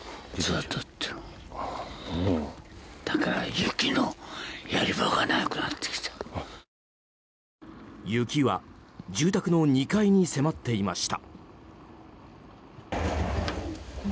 雪は住宅の２階に迫っていました。